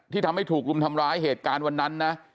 ทำให้ถูกรุมทำร้ายเหตุการณ์วันนั้นนะ